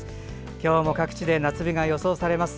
今日も各地で夏日が予想されます。